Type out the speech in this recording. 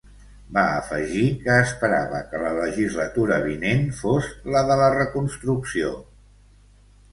Va afegir que esperava que la legislatura vinent fos la de la “reconstrucció”.